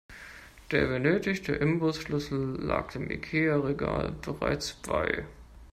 Der benötigte Imbusschlüssel lag dem Ikea-Regal bereits bei.